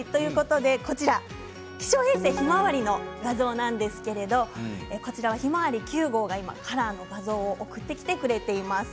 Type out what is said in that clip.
気象衛星ひまわりの画像なんですけれどもひまわり９号が今カラーの画像を送ってきてくれています。